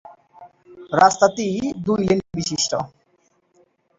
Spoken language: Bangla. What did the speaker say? রাস্তাটি দুই-লেন বিশিষ্ট।